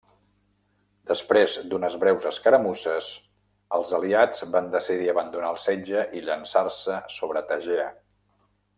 Després d'unes breus escaramusses, els aliats van decidir abandonar el setge i llançar-se sobre Tegea.